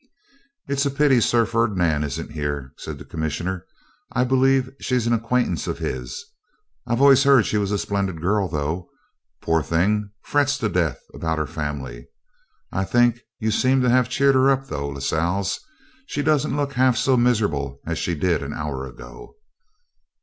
'It's a pity Sir Ferdinand isn't here,' said the Commissioner. 'I believe she's an acquaintance of his. I've always heard she was a splendid girl, though, poor thing, frets to death about her family. I think you seem to have cheered her up, though, Lascelles. She doesn't look half so miserable as she did an hour ago.'